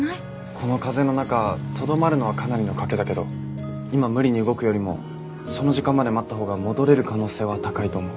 この風の中とどまるのはかなりの賭けだけど今無理に動くよりもその時間まで待った方が戻れる可能性は高いと思う。